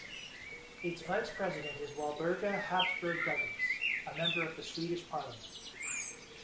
Its Vice President is Walburga Habsburg Douglas, a member of the Swedish Parliament.